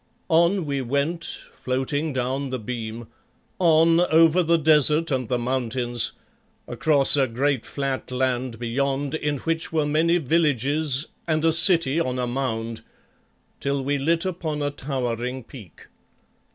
On we went, floating down the beam on over the desert and the mountains, across a great flat land beyond, in which were many villages and a city on a mound, till we lit upon a towering peak.